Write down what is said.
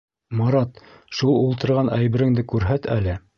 Марат шул ултырған әйбереңде күрһәт әле?